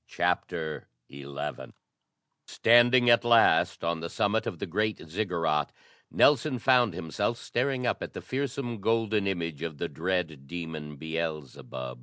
CHAPTER XI Standing at last on the summit of the great Ziggurat, Nelson found himself staring up at the fearsome golden image of the dread demon Beelzebub.